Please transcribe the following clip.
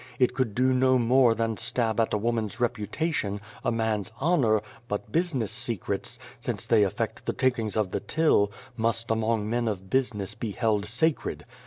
It could do no more than stab at a woman's reputation, a man's honour, but business secrets since they affect the takings of the till must among men of business be held sacred.